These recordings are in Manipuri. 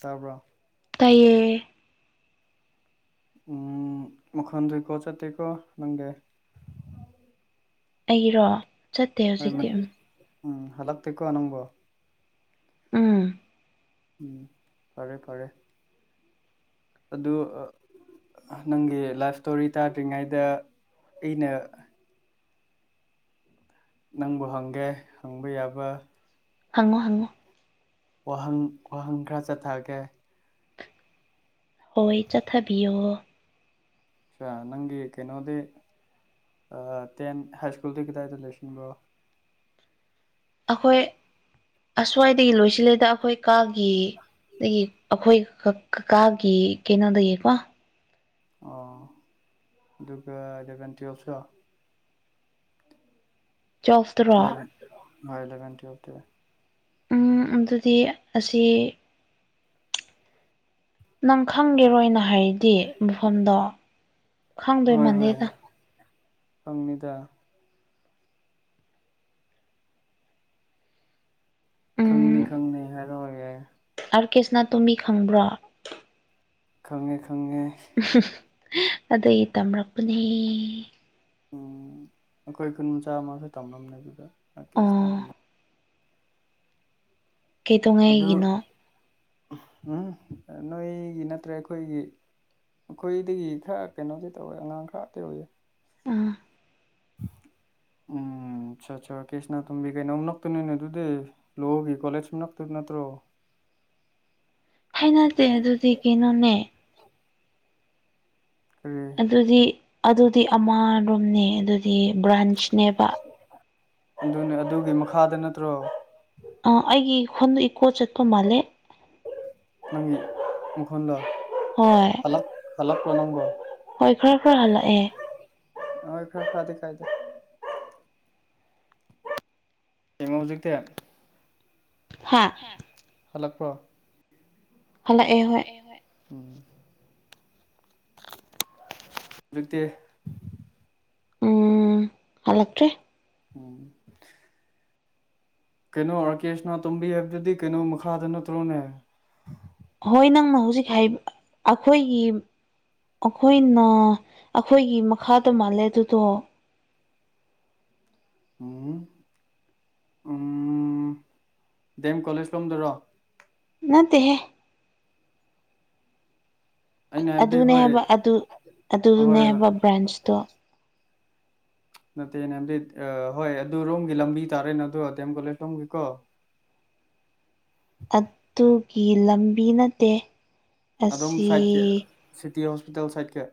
ꯇꯄ ꯇꯌꯦ ꯎꯝ ꯃꯈꯗꯔꯤ ꯀꯣ ꯆꯠꯇꯀꯣ ꯅꯪꯒ ꯑꯩꯔꯣ ꯆꯠꯇꯦ ꯍꯧꯖꯤꯛꯇꯤ ꯎꯝ ꯎꯝ ꯍꯂꯛꯄꯤꯤꯀꯣ ꯑꯅꯝꯕꯣ ꯑꯝ ꯎꯝ ꯐꯔꯦ ꯐꯔꯦ ꯑꯗꯨ ꯅꯪꯒꯤ ꯂꯥꯏꯐ ꯏꯁꯇꯣꯔꯤ ꯇꯥꯗ꯭ꯔꯤꯉꯩꯗ ꯑꯩꯅ ꯅꯪꯕꯨ ꯍꯪꯒꯦ ꯍꯪꯕ ꯌꯥꯕ ꯍꯉꯣ ꯍꯉꯣ ꯋꯥꯍꯪ ꯋꯥꯍꯪ ꯈꯔ ꯆꯠꯊꯒꯦ ꯍꯣꯏ ꯆꯠꯊꯕꯤꯌꯣ ꯑꯆꯥ ꯅꯪꯒꯤ ꯀꯩꯅꯣꯗꯦ ꯇꯦꯟ ꯍꯥꯏ ꯁ꯭ꯀꯨꯜꯗꯨ ꯀꯗꯥꯏꯗ ꯂꯩꯁꯤꯟꯕꯣ ꯑꯩꯈꯣꯏ ꯑꯁ꯭ꯋꯥꯏꯗꯒꯤ ꯂꯣꯏꯁꯤꯜꯂꯦꯗ ꯑꯩꯈꯣꯏ ꯀꯥꯒꯤ ꯑ ꯑꯩꯈꯣꯏ ꯀꯀꯥꯒꯤ ꯀꯩꯅꯣꯗꯒꯤꯀꯣ ꯑꯣ ꯑꯗꯨꯒꯒ ꯏꯚꯦꯟ ꯇꯨꯁꯨ ꯆꯣꯇ꯭ꯔꯥ ꯍ ꯏꯂ ꯀꯇꯤ ꯋꯥꯇ ꯎꯝ ꯑꯗꯨꯗꯤ ꯑꯁꯤ ꯅꯪ ꯈꯪꯒꯦꯔꯣꯅ ꯍꯥꯏꯗꯤ ꯃꯐꯝꯗꯣ ꯈꯪꯗꯣꯏ ꯃꯥꯟꯂꯦꯗ ꯐꯪꯅꯤꯗ ꯈꯪꯅꯤ ꯈꯪꯅꯤ ꯍꯥꯏꯔꯑꯣꯒꯦ ꯑꯥꯔꯀꯦꯁꯅ ꯇꯨꯃꯤ ꯈꯪꯕ꯭ꯔꯣ ꯈꯪꯉꯦ ꯈꯪꯉꯦ ꯑꯗꯩ ꯇꯝꯔꯛꯄꯅꯦ ꯎꯝ ꯑꯈꯣꯏ ꯈꯨꯨꯟ ꯃꯆꯥꯃꯁꯨ ꯇꯝꯃꯝꯅꯦ ꯑꯗꯨꯗ ꯔꯀꯦꯁꯅ ꯑꯣ ꯑꯗꯨꯝ ꯀꯩꯗꯧꯉꯩꯒꯤꯅꯣ ꯎꯝꯍꯝ ꯅꯣꯏꯒꯤ ꯅꯠꯇ꯭ꯔꯦ ꯑꯩꯈꯣꯏꯒꯤ ꯑꯈꯣꯏꯗꯒꯤ ꯈꯔ ꯀꯩꯅꯣꯗꯤ ꯇꯧꯋꯦ ꯑꯉꯥꯡ ꯈꯔ ꯇꯧꯌꯦ ꯎꯝ ꯎꯝ ꯆꯥ ꯆꯥ ꯀꯦꯁꯅ ꯇꯨꯝꯕꯤ ꯀꯩꯅꯣ ꯅꯣꯛꯇꯅꯅꯦ ꯑꯗꯨꯗꯦ ꯂꯣꯒꯤ ꯀꯣꯂꯦꯁ ꯅꯞꯇꯨ ꯅꯠꯇ꯭ꯔꯣ [unintelligible] ꯍꯩꯅꯗꯦ ꯑꯗꯨꯗꯤ ꯀꯩꯅꯣꯅꯦ ꯀꯔꯤ ꯑꯗꯨꯗꯤ ꯑꯗꯨꯗꯤ ꯑꯃꯔꯣꯝꯅꯦ ꯑꯗꯨꯗꯤ ꯕ꯭ꯔꯥꯟꯁꯅꯦꯕ ꯑꯗꯨꯅꯦ ꯑꯗꯨꯒꯤ ꯃꯈꯥꯗ ꯅꯠꯇ꯭ꯔꯣ ꯑ ꯑꯩꯒꯤ ꯍꯣꯟꯗꯤ ꯏꯀꯣ ꯆꯠꯄ ꯃꯥꯜꯂꯦ ꯅꯪꯒꯤ ꯃꯈꯣꯟꯂꯣ ꯍꯣꯏ ꯀꯂꯞꯄꯣ ꯅꯪꯕꯣ ꯍꯣꯏ ꯈꯔ ꯈꯔ ꯍꯜꯂꯛ ꯑꯦ ꯑꯣꯏ ꯈꯔ ꯐꯗꯦ ꯀꯥꯏꯗꯦ ꯌꯦꯡꯉꯣ ꯍꯧꯖꯤꯛꯇꯤ ꯍꯥ ꯍ ꯍꯜꯂꯛꯄ꯭ꯔꯣ ꯐꯂꯛ ꯑꯦ ꯍꯣꯏ ꯍꯧꯖꯤꯛꯇꯤ ꯎꯝ ꯍꯂꯛꯇ꯭ꯔꯦ ꯎꯝ ꯀꯩꯅꯣ ꯑꯥꯔꯀꯦ ꯁꯅ ꯇꯣꯝꯕꯤ ꯍꯥꯏꯕꯗꯨꯗꯤ ꯀꯩꯅꯣ ꯃꯈꯥꯗ ꯅꯠꯇ꯭ꯔꯣꯅꯦ ꯍꯣꯏ ꯅꯪꯅ ꯍꯧꯖꯤꯛ ꯍꯥꯏꯕ ꯑꯩꯈꯣꯏꯒꯤ ꯑꯈꯣꯏꯅ ꯑꯈꯣꯏꯒꯤ ꯃꯈꯥꯗ ꯃꯥꯜꯂꯦ ꯑꯗꯨꯗꯣ ꯎꯝ ꯎꯝ ꯗꯦꯝ ꯀꯣꯂꯦꯖ ꯔꯣꯝꯗꯔꯣ ꯅꯠꯇꯦꯍꯦ ꯑꯩꯅ ꯍꯥꯏꯕꯗꯤ ꯑꯗꯨꯅꯦ ꯍꯣꯏ ꯍꯥꯏꯕ ꯑꯗꯨ ꯑꯗꯨꯅꯦ ꯍꯣꯏ ꯍꯥꯏꯕ ꯕ꯭ꯔꯥꯟꯁꯇꯣ ꯅꯠꯇꯦꯅꯦꯝꯗꯤ ꯑ ꯍꯣꯏ ꯑꯗꯨ ꯔꯣꯝꯒꯤ ꯂꯝꯕꯤ ꯇꯥꯔꯦꯅꯥ ꯑꯗꯨ ꯑ ꯗꯦꯝ ꯀꯣꯂꯦꯖꯂꯣꯝꯒꯤꯀꯣ ꯑꯗꯨꯒꯤ ꯂꯝꯕꯤ ꯅꯠꯇꯦ ꯑꯁꯤ ꯇꯤ ꯍꯣꯁꯄꯤꯇꯥꯜ ꯁꯥꯏꯠꯀꯦ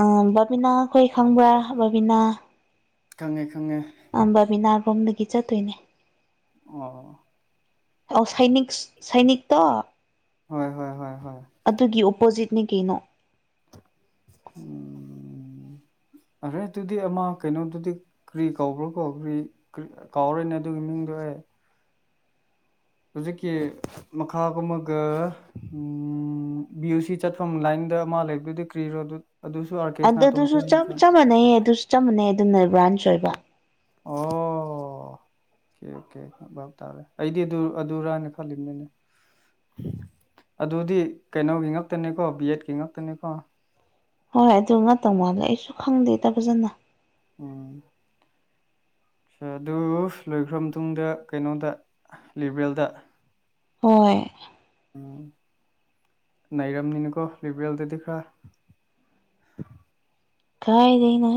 ꯑꯥ ꯕꯥꯕꯤꯅꯥ ꯈꯣꯏ ꯈꯪꯕ꯭ꯔꯥ ꯀꯪꯉꯦ ꯑꯝꯕꯕꯤꯅꯥ ꯔꯣꯝꯗꯒꯤ ꯆꯠꯇꯣꯏꯅꯦ ꯑꯣ ꯑꯣ ꯁꯥꯏꯅꯤꯏꯛꯁ ꯁꯩꯅꯤꯛ ꯇꯣ ꯍꯣꯏ ꯍꯣꯏ ꯍꯣꯏ ꯍꯣꯏ ꯑꯗꯨꯒꯤ ꯑꯣꯄꯣꯖꯤꯠꯅꯦ ꯀꯩꯅꯣ ꯎꯝ [inaudible] ꯑꯍꯔꯦ ꯑꯗꯨꯗꯤ ꯑꯃ ꯀꯩꯅꯣꯗꯨꯗꯤ ꯀꯔꯤ ꯀꯧꯕ꯭ꯔꯣ ꯀꯣꯈꯔꯦ ꯀꯔꯤ ꯀꯥꯎꯔꯣꯏꯅꯦ ꯑꯗꯨꯒꯤ ꯃꯤꯡꯗꯣꯑꯩ ꯍꯦ ꯍꯧꯖꯤꯛꯀꯤ ꯃꯈꯥꯒꯨꯝ ꯃꯒ ꯎꯝ ꯕꯤ ꯌꯨ ꯁꯤ ꯆꯠꯐꯝ ꯂꯥꯏꯟ ꯗ ꯃꯥ ꯂꯩꯕꯗꯨꯗꯤ ꯀ꯭ꯔꯤꯔꯣ ꯗꯨꯠ ꯑꯗꯨ ꯑꯗꯨꯁꯨ ꯆꯞ ꯆꯞ ꯃꯥꯟꯅꯩꯌꯦ ꯑꯗꯨꯁ ꯆꯞ ꯃꯥꯟꯅꯩ ꯑꯗꯨꯅ ꯕ꯭ꯔꯥꯟꯁ ꯑꯣꯏꯕ ꯑꯣ ꯀꯦ ꯀꯦ ꯚꯥꯞ ꯇꯥꯔꯦ ꯑꯩꯗꯤ ꯑꯗꯨ ꯑꯗꯨꯔꯥꯅ ꯈꯜꯂꯤꯕꯅꯤꯅꯦ ꯑꯗꯨꯗꯤ ꯀꯩꯅꯣꯒꯤ ꯉꯇꯅꯦꯀꯣ ꯕꯤ ꯑꯦꯠ ꯀꯤ ꯉꯥꯛꯇꯅꯤꯀꯣ ꯍꯣꯏ ꯑꯗꯨ ꯉꯥꯛꯇꯧ ꯃꯥꯜꯂꯦ ꯑꯩꯁꯨ ꯈꯪꯗꯦꯗ ꯐꯖꯅ ꯎꯝ [inaudible] [inaudible] ꯑꯗꯨ ꯂꯣꯏꯈ꯭ꯔ ꯃꯇꯨꯡꯗ ꯀꯩꯅꯣꯗ ꯂꯤꯕꯔꯦꯜꯗ ꯍꯣꯏ ꯎꯝ ꯂꯩꯔꯝꯅꯤꯅꯀꯣ ꯂꯤꯕꯔꯦꯜꯗꯗꯤ ꯈꯔ ꯀꯥꯏ ꯂꯩꯩꯅ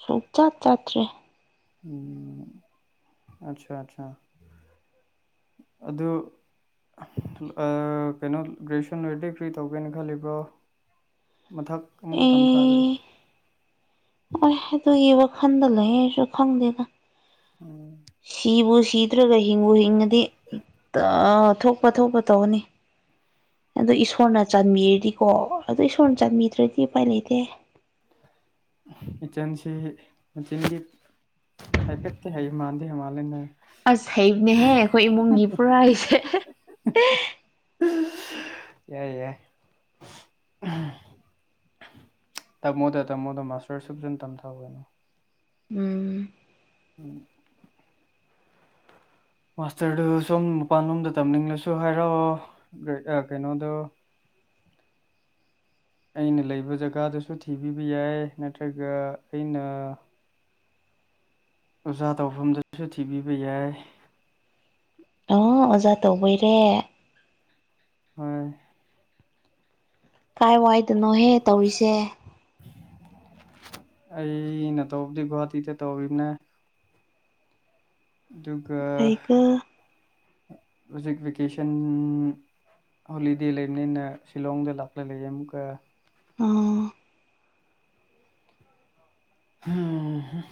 ꯁꯨ ꯆꯥꯠ ꯆꯥꯠ꯭ꯔꯦ ꯎꯝ ꯑꯠꯆꯥ ꯑꯠꯆꯥ ꯑꯗꯨ ꯑ ꯀꯩꯅꯣ ꯒ꯭ꯔꯦꯁꯟ ꯔꯗꯤ ꯐ꯭ꯔꯤ ꯇꯧꯒꯦꯅ ꯈꯜꯂꯤꯕ꯭ꯔꯣ ꯃꯊꯛ ꯑꯃꯨꯛꯈ ꯇꯝꯊꯥꯕꯤꯨ ꯑꯦ ꯈꯟꯗ ꯂꯩꯦꯁꯨ ꯈꯪꯗꯦꯗ ꯎꯝ ꯁꯤꯕꯨ ꯁꯤꯗ꯭ꯔꯒ ꯠ ꯊꯣꯛꯄ ꯊꯣꯛꯄ ꯇꯧꯒꯅꯤ ꯑꯣ ꯏꯁꯣꯔꯅ ꯆꯟꯃꯤꯔꯗꯤꯀꯣ ꯑꯗꯨ ꯏꯁꯣꯔꯅ ꯆꯟꯃꯤꯗ꯭ꯔꯗꯤ ꯎꯄꯥꯏ ꯂꯩꯇꯦ [inaudible] ꯏꯆꯟꯁꯤ ꯃꯆꯤꯟꯒꯤ ꯍꯥꯏꯐꯦꯠꯇꯦ ꯍꯥꯏ ꯃꯥꯟꯗꯦ ꯃꯥꯜꯂꯦꯅꯦ ꯑꯁ ꯍꯩꯕꯅꯦꯍꯦ ꯑꯩꯈꯣꯏ ꯏꯃꯨꯡꯒꯤ ꯄꯨꯔꯥ ꯍꯥꯏꯁꯦ ꯌꯥꯏ ꯌꯥꯏ ꯇꯝꯃꯣꯗ ꯇꯝꯃꯣꯗ ꯃꯥꯁꯇꯔ ꯁꯅ ꯇꯝꯊꯥꯅꯣ ꯎꯝ ꯎꯝ ꯃꯥꯁꯇꯔꯗꯨ ꯁꯣꯝ ꯃꯄꯥꯟꯂꯣꯝꯗ ꯇꯝꯅꯤꯡꯂꯁꯨ ꯍꯥꯏꯔꯛꯑꯣ ꯀꯩꯅꯣꯗꯣ [inaudible] ꯑꯩꯅ ꯂꯩꯕ ꯖꯒꯥꯗꯨꯁꯨ ꯊꯤꯕꯤꯕ ꯌꯥꯏ ꯅꯠꯇ꯭ꯔꯒ ꯑꯩꯅ ꯑꯣꯖꯥ ꯇꯧꯐꯝꯗꯁꯨ ꯊꯤꯕꯤꯕ ꯌꯥꯏ ꯑ ꯑꯣꯖꯥ ꯇꯧꯕꯩꯔꯦ ꯍꯣꯏ ꯀꯥꯏ ꯋꯥꯏꯗꯅꯣꯍꯦ ꯇꯧꯔꯤꯁꯦ ꯑꯩꯅ ꯇꯧꯕꯗꯤ ꯒꯨꯍꯥꯇꯤꯗ ꯇꯧꯔꯤꯕꯅꯦ ꯑꯗꯨꯒ ꯀꯔꯤꯒ ꯍꯧꯖꯤꯛ ꯕꯦꯀꯦꯁꯟ ꯍꯣꯂꯤꯗꯦ ꯂꯩꯕꯅꯤꯅ ꯁꯤꯂꯣꯡꯗ ꯂꯥꯛꯂꯒ ꯂꯩꯌꯦ ꯑꯃꯨꯛꯀ ꯑꯥ ꯑꯣ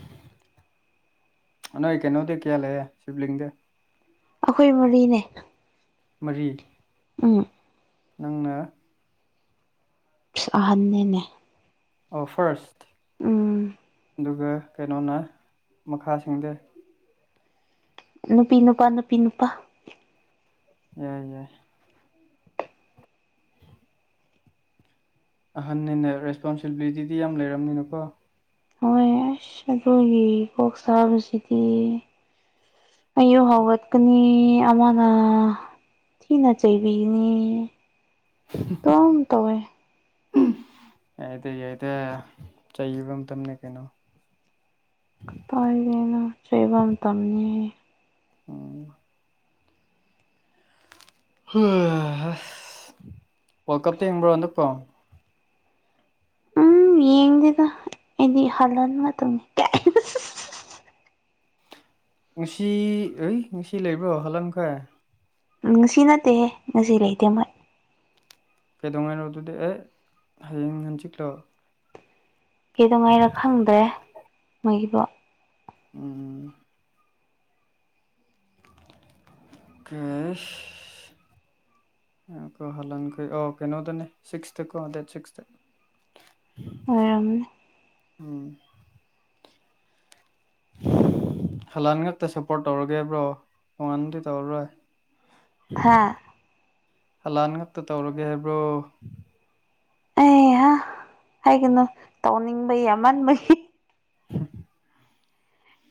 ꯅꯅꯌꯦꯛ ꯀꯩꯅꯣꯗ ꯀꯌꯥꯂꯦ ꯁꯤꯕꯂꯤꯗ ꯑꯩꯈꯣꯏ ꯃꯔꯤꯅꯦ ꯃꯔꯤ ꯎꯝ ꯅꯪꯅ ꯁꯍꯅꯦꯅꯦ ꯑꯣ ꯐꯥꯔꯁꯠ ꯎꯝ ꯑꯗꯨꯒ ꯀꯩꯅꯣꯅ ꯃꯈꯥꯁꯤꯡꯗ ꯅꯨꯄꯤ ꯅꯨꯄꯥ ꯅꯨꯄꯤ ꯅꯨꯄꯥ ꯑꯣ ꯌꯥꯏ ꯑꯍꯟꯅꯤꯅꯦ ꯔꯦꯁꯄꯣꯟꯁꯤꯕꯤꯂꯤꯇꯤꯗꯤ ꯌꯥꯝ ꯂꯩꯔꯝꯅꯤꯅꯀꯣ ꯍꯣꯏ ꯑꯁ ꯑꯗꯨꯒꯤ ꯀꯣꯛ ꯁꯥꯕꯁꯤꯗꯤ ꯑꯣ ꯍꯋꯠꯀꯅꯤ ꯑꯃꯅ ꯊꯅ ꯆꯕꯤꯅꯤ ꯇ ꯑ ꯇꯋ ꯑꯩꯗꯤ ꯑꯩꯗ ꯆꯩꯕ ꯃꯇꯝꯅꯦ ꯀꯩꯅꯣ ꯇꯗꯅ ꯆꯕ ꯑꯃ ꯇꯅꯤ ꯎꯝ ꯍ ꯋꯥꯔꯜ ꯀꯞꯇ ꯌꯦꯡꯕ꯭ꯔꯣ ꯍꯟꯗꯛꯄꯣ ꯎꯝ ꯌꯦꯡꯗꯦꯗ ꯑꯩꯗꯤ ꯍꯜꯍꯟ ꯃꯇꯝꯅꯤ ꯉꯅꯨꯡꯁꯤ ꯍ ꯅꯨꯡꯁꯤ ꯂꯩꯕ꯭ꯔꯣ ꯍꯥꯜꯂꯝꯂꯝꯈꯦ ꯉꯁꯤ ꯅꯠꯇꯦꯍ ꯉꯁꯤ ꯂꯩꯇꯦ ꯃꯣꯏ ꯀꯩꯗꯧꯉꯥꯏꯅꯣ ꯑꯗꯨꯗꯤ ꯑꯦ ꯍꯌꯦꯡ ꯍꯟꯆꯤꯛꯂꯣ ꯀꯩꯗꯧꯉꯥꯏꯔ ꯈꯪꯗ꯭ꯔꯦ ꯃꯣꯏꯒꯤꯗꯣ ꯎꯝ ꯀꯦꯁ ꯣ ꯍꯂꯅꯤꯈ ꯑꯣꯀꯦ ꯅꯣꯗ ꯁꯤꯛꯁꯇꯀꯣ ꯗꯦ ꯁꯤ ꯑꯣꯏꯔꯝꯃꯦ ꯍꯂꯥꯟ ꯉꯛꯇ ꯁꯞꯄꯣꯔꯠ ꯇꯧꯔꯒꯦꯕ꯭ꯔꯣ ꯍꯉꯅꯗꯤ ꯇꯧꯔꯔꯣꯏ ꯍꯥꯥ ꯍꯂꯥꯟ ꯉꯛꯇ ꯇꯧꯔꯒꯦ ꯍꯥꯏꯕ꯭ꯔꯣ ꯑꯦ ꯍꯥꯏꯒꯅꯨ ꯇꯧꯅꯤꯡꯕꯩ ꯌꯥꯝꯟꯕꯩ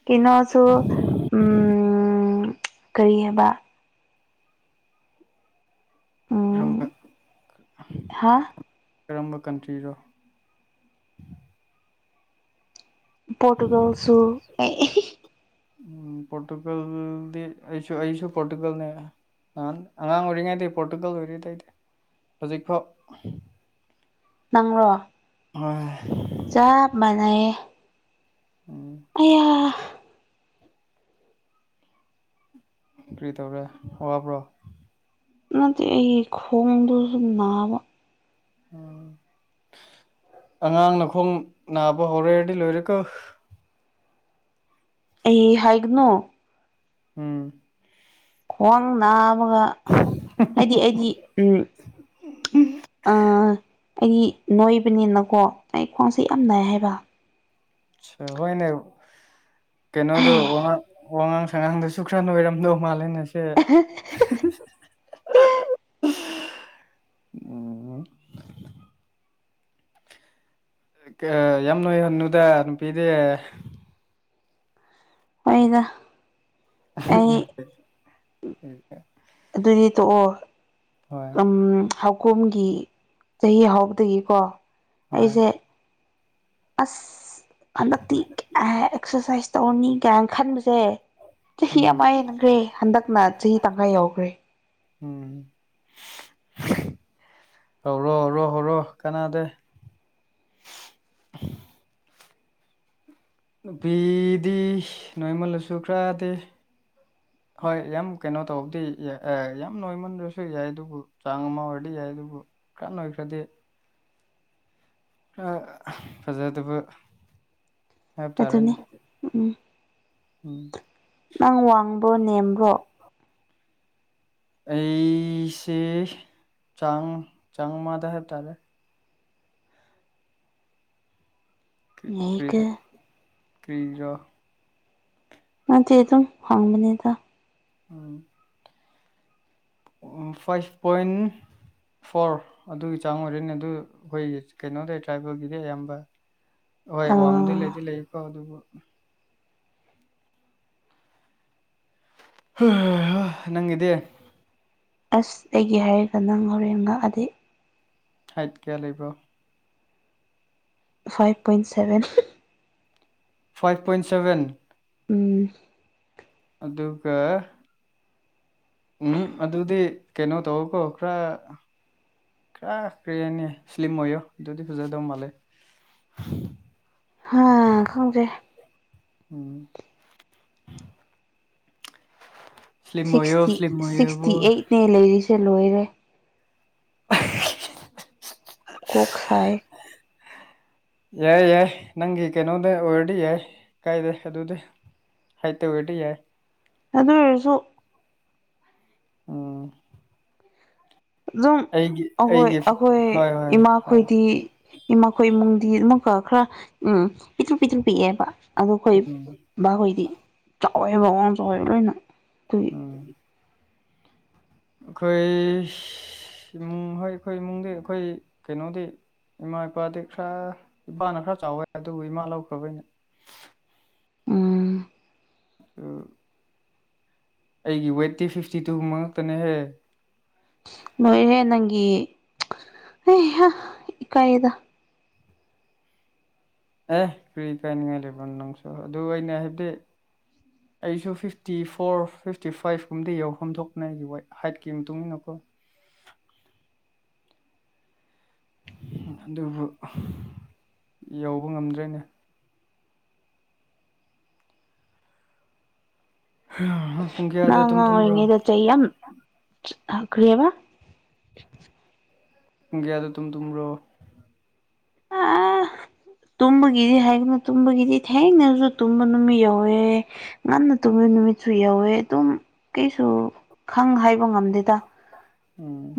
ꯀꯩꯅꯣꯁꯨ ꯎꯝ ꯀꯔꯤ ꯍꯥꯏꯕ ꯀꯔꯝꯕ ꯍꯥ ꯀꯔꯝꯕ ꯀꯟꯇ꯭ꯔꯤꯅꯣ ꯄꯣꯣꯔꯇꯨꯒꯜꯁꯨ ꯑꯦ ꯎꯝ ꯄꯣꯣꯔꯇꯨꯒꯜꯗꯤꯁꯨ ꯑꯁꯨ ꯄꯣꯣꯔꯇꯨꯒꯜꯅꯦ ꯑꯍꯥꯟ ꯑꯉꯥꯡ ꯑꯣꯏꯔꯤꯉꯩꯗꯒꯤ ꯄꯣꯔꯇꯨꯒꯜ ꯑꯣꯏꯔꯤꯩꯗꯤ ꯍꯧꯖꯤꯛꯐꯥꯎ ꯅꯪꯣ ꯑ ꯌꯦ ꯑꯌꯥ ꯀꯔꯤ ꯇꯧꯔꯦ ꯋꯥꯕ꯭ꯔꯣ ꯅꯗꯤ ꯑꯩ ꯈꯣꯡꯗꯨꯔ ꯕ ꯑꯉꯥꯡꯅꯈꯣꯡ ꯅꯥꯕ ꯍꯧꯔꯦꯔꯗꯤ ꯂꯣꯏꯔꯦꯀ ꯑꯩ ꯍꯥꯏꯥꯏꯒꯅꯣ ꯎꯝ ꯈ꯭ꯋꯥꯡ ꯅ ꯑꯃ ꯍꯥꯏꯗꯤ ꯑꯩꯗꯤ ꯎꯝ ꯑ ꯑꯩꯗꯤ ꯅꯣꯏꯕꯅꯤꯅꯀꯣ ꯑꯩ ꯈ꯭ꯋꯥꯡꯁꯦ ꯌꯥꯝ ꯅꯥꯏ ꯍꯥꯏꯕ ꯍꯣꯏꯅꯦ ꯀꯩꯅꯣꯗ ꯋꯥꯍ ꯋꯥꯉꯥꯡ ꯁꯉꯥꯡꯗꯁꯨ ꯈꯔ ꯅꯣꯏꯔꯝꯗꯧ ꯃꯥꯜꯂꯦꯅ ꯁꯦ ꯎꯝ ꯌꯥꯝꯃꯅ ꯅꯨꯗ ꯅꯨꯄꯤꯗꯦ ꯑꯣꯏꯗ [inaudible] ꯑꯗꯨꯗꯤ ꯇꯣꯛꯑꯣ ꯍꯣꯏ ꯎ ꯍꯧꯈꯣꯝꯒꯤ ꯆꯍꯤ ꯍꯥꯎꯕꯗꯒꯤꯀꯣ ꯍꯣꯏ ꯑꯩꯁꯦ ꯑꯁ ꯍꯟꯗꯛꯇꯤ ꯑꯦꯛꯁꯔꯁꯥꯏꯁ ꯇꯧꯔꯅꯤ ꯀꯥꯏꯅ ꯈꯟꯕꯁ ꯁꯦ ꯆꯍꯤ ꯎꯝ ꯑꯃ ꯍꯦꯟꯈ꯭ꯔꯦ ꯍꯟꯗꯛꯅ ꯆꯍꯤ ꯇꯪꯉꯥ ꯌꯥꯎꯈ꯭ꯔꯦ ꯎꯝ ꯍꯧꯔꯣ ꯍꯧꯧꯔꯣ ꯍꯧꯔꯣ ꯀꯅꯥꯗ [inaudible] ꯅꯨꯄꯤꯗꯤ ꯅꯣꯏꯃꯜꯂꯁꯨ ꯀꯔꯗꯦ ꯍꯣꯏ ꯌꯥꯝ ꯀꯩꯅꯣ ꯇꯧꯕꯗꯤ ꯌꯥꯝ ꯅꯣꯏꯃꯟꯕꯁꯨ ꯌꯥꯏ ꯑꯗꯨꯕꯨ ꯆꯥꯡ ꯑꯃ ꯑꯣꯏꯔꯗꯤ ꯌꯥꯏ ꯑꯗꯨꯕꯨ ꯀꯥꯟ ꯑꯣꯏꯈ꯭ꯔꯗꯤ ꯐꯖꯩ ꯑꯗꯨꯕ ꯑꯗꯨꯅꯤ ꯎꯝ ꯎꯝ ꯅꯪ ꯋꯥꯡꯕꯣ ꯅꯦꯝꯕꯣ ꯑꯩꯁꯦ ꯆ ꯆꯥꯃꯥꯗꯍꯦꯕ ꯇꯔꯦ ꯉ ꯀ ꯀꯔꯤꯖꯣ ꯅꯠꯇꯦ ꯑꯗꯨꯝ ꯍꯥꯡꯕꯅꯦꯗ ꯎꯝ ꯐꯥꯏꯚ ꯄꯣꯏꯟ ꯐꯣꯔ ꯑꯗꯨꯒꯤ ꯆꯥꯡ ꯑꯣꯏꯔꯅꯦ ꯑꯗꯨ ꯑꯩꯈꯣꯏꯒꯤ ꯀꯩꯅꯣꯗ ꯇ꯭ꯔꯥꯏꯕꯦꯜꯒꯤꯗꯤ ꯑꯌꯥꯝꯕ ꯍꯣꯏ ꯋꯥꯡꯃꯗꯤ ꯑꯥ ꯂꯩꯗꯤ ꯂꯩꯀꯣ ꯑꯗꯨꯕꯨ ꯅꯪꯗꯦ ꯑꯁ ꯑꯩꯒꯤ ꯍꯥꯏꯔꯒ ꯅꯪ ꯍꯣꯔꯦꯟ ꯉꯛꯑꯗꯗꯤ ꯍꯥꯏꯠ ꯀꯌꯥ ꯂꯩꯕ꯭ꯔꯣ five point seven five point seven ꯎꯝ ꯑꯗꯨꯒ ꯎꯝ ꯑꯗꯨꯗꯤ ꯀꯩꯅꯣ ꯇꯧꯀꯣ ꯈꯔ ꯀꯥ ꯀꯔꯤꯅꯤ ꯏꯁꯂꯤꯝ ꯑꯣꯏꯌꯣ ꯑꯗꯨꯗꯤ ꯐꯣꯖꯦꯗꯧ ꯃꯂꯦ ꯍꯥꯥ ꯈꯪꯒꯦ ꯎꯝ ꯁ꯭ꯂꯤꯝ ꯑꯣꯏꯌꯣ ꯁꯤꯛꯁꯇꯤ ꯁ꯭ꯂꯤꯝ ꯑꯣꯏꯌꯣꯕꯨ ꯁꯤꯛꯁꯇꯤ ꯑꯩꯠꯅꯦ ꯂꯩꯔꯤꯁꯦ ꯂꯣꯏꯔꯦ [unintelligible] ꯀꯣꯛꯁꯥꯏ ꯌꯥꯏ ꯌꯥꯏ ꯅꯪꯒꯤ ꯀꯩꯅꯣꯗ ꯑꯣꯏꯔꯗꯤ ꯌꯥꯏ ꯀꯥꯏꯗꯦ ꯑꯗꯨꯗꯤ ꯍꯥꯏ ꯇ ꯑꯣꯏꯦꯗꯤ ꯌꯥ ꯑꯗꯨ ꯑꯣꯏꯁꯨ ꯑꯣ ꯂ ꯑꯍꯣꯏ ꯑꯩꯒꯤ ꯑꯩꯍꯣꯏ ꯍꯣꯏ ꯍꯣꯏ ꯍꯣꯏ ꯏꯃꯥꯈꯣꯏꯗꯤ ꯏꯃꯥꯈꯣꯏ ꯏꯃꯨꯡꯗꯤ ꯑꯗꯨꯀ ꯈꯔ ꯎꯝ ꯄꯤꯊ꯭ꯔꯨ ꯄꯤꯊ꯭ꯔꯨ ꯄꯤꯛꯑꯦꯕ ꯑꯗꯣ ꯑꯩꯈꯣꯏ ꯎꯝ ꯕꯥꯍꯣꯏꯗꯤ ꯍꯋꯥꯦꯕꯥꯎ ꯑꯥꯎꯖ ꯍꯥꯏꯔ ꯂꯣꯏꯅ ꯇꯨꯏ ꯎꯝ ꯑꯩꯈꯣꯏ ꯏꯃꯨꯡ ꯍꯣꯏ ꯑꯩꯈꯣꯏ ꯏꯃꯨꯡꯗꯤ ꯑꯩꯈꯣꯏ ꯀꯩꯅꯣꯗꯤ ꯏꯃꯥ ꯏꯄꯥꯗꯤ ꯈꯔ ꯏꯄꯥꯅ ꯈꯔ ꯆꯥꯎꯋꯦ ꯑꯗꯨꯕꯨ ꯏꯃꯥ ꯂꯧꯈ꯭ꯔꯕꯩꯅꯦ [unintelligible] ꯑ ꯑꯩꯒꯤ ꯋꯦꯠꯇꯤ ꯐꯤꯐꯇꯤ ꯇꯨ ꯃꯛꯇꯅꯦꯍꯦ ꯃꯣꯏꯔꯦ ꯅꯒꯤꯤ ꯑ ꯏ ꯀꯥꯏꯗ ꯑꯦ ꯀꯔꯤ ꯀꯥꯏꯅꯤꯡꯉꯥꯏ ꯂꯩꯕ ꯅꯪꯁꯨ ꯑꯗꯨ ꯑꯩꯅ ꯍꯥꯏꯕꯗꯤ ꯑꯩꯁꯨ ꯐꯤꯐꯇꯤ ꯐꯣꯔ ꯐꯤꯐꯇꯤ ꯐꯥꯏꯚ ꯀꯨꯝꯗꯤ ꯌꯧꯐꯝ ꯊꯣꯛꯄꯅꯦ ꯑꯩꯒꯤ ꯍꯥꯏꯠꯀꯤ ꯃꯇꯨꯡ ꯏꯟꯅꯀꯣ [unintelligible] ꯑꯗꯨꯕꯨ ꯌꯧꯕ ꯉꯝꯗ꯭ꯔꯦꯅꯦ ꯑ ꯉꯥꯡ ꯉ ꯏꯉꯗꯌꯥꯝ ꯀꯔꯤꯂꯤꯌꯥꯕ ꯒꯌꯥꯗ ꯇꯨꯨꯝ ꯇꯨꯨꯝ꯭ꯔꯣ ꯑ ꯇꯨꯝꯕꯒꯤꯗꯤ ꯍꯥꯏꯒꯅ ꯇꯨꯝꯕꯒꯤꯗꯤ ꯊꯦꯡꯅꯁꯨ ꯇꯨꯝꯕ ꯅꯨꯃꯤꯠ ꯌꯧꯋꯦ ꯉꯟꯅ ꯇꯨꯝꯕ ꯅꯨꯃꯤꯠꯁꯨ ꯌꯥꯎꯋꯦ ꯑꯗꯨꯝ ꯀꯩꯁꯨ ꯈꯪ ꯍꯥꯏꯕ ꯉꯝꯗꯦꯗ ꯎꯝ